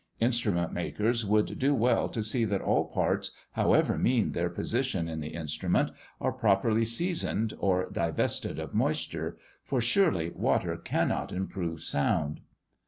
Instrument makers would do well to see that all parts, however mean their position in the instrument, are properly seasoned, or divested of moisture; for surely water cannot improve sound.